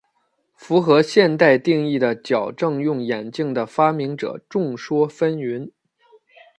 符合现代定义的矫正用眼镜的发明者众说纷纭。